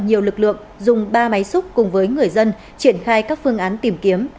nhiều lực lượng dùng ba máy xúc cùng với người dân triển khai các phương án tìm kiếm